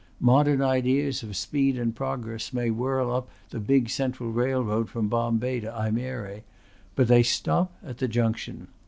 Modern ideas of speed and progress may whirl up the big central railroad from Bombay to Ajmere. But they stop at the junction.